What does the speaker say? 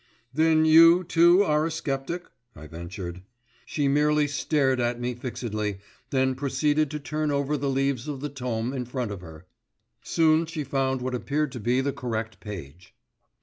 "Then you, too, are a sceptic?" I ventured. She merely stared at me fixedly, then proceeded to turn over the leaves of the tome in front of her. Soon she found what appeared to be the correct page.